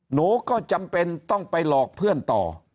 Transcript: หนูก็จำเป็นต้องไปหลอกเพื่อนต่อ